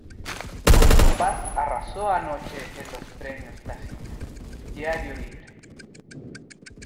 Código Paz arrasó anoche en los Premios La Silla, Diario Libre.